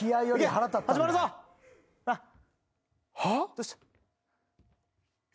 どうした？